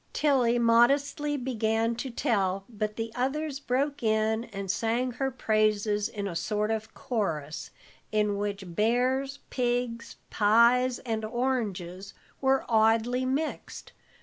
Tilly modestly began to tell, but the others broke in and sang her praises in a sort of chorus, in which bears, pigs, pies, and oranges were oddly mixed.